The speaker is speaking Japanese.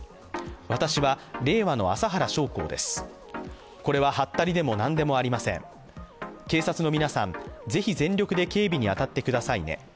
私は令和の麻原彰晃です、これははったりでも何でもありません、警察の皆さん、是非全力で警備に当たってくださいね。